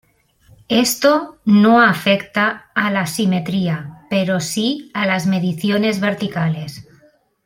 Esto no afecta a la simetría pero si a las mediciones verticales.